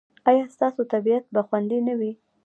ایا ستاسو طبیعت به خوندي نه وي؟